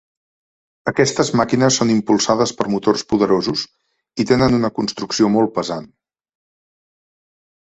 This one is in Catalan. Aquestes màquines són impulsades per motors poderosos i tenen una construcció molt pesant.